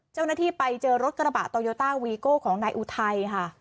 เจ้าหน้าที่ไปเจอรถกระบะโตโยต้าวีโก้ของนายอุทัยค่ะ